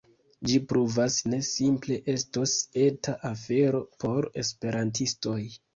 Ĝi pruvas ne simple estos eta afero por esperantistoj